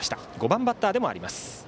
５番バッターでもあります。